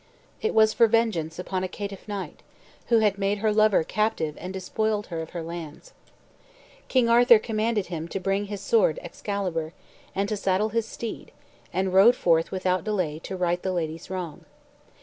It was for vengeance upon a caitiff knight, who had made her lover captive and despoiled her of her lands. King Arthur commanded to bring him his sword, Excalibar, and to saddle his steed, and rode forth without delay to right the lady's wrong.